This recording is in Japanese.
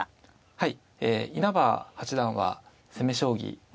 はい。